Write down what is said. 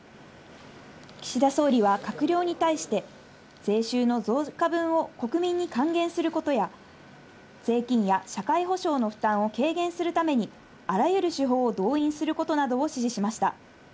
岸田総理は閣僚に対して、税収の増加分を国民に還元することや、税金や社会保障の負担を軽減するために、あらゆる手法を動員することなどを指示しました。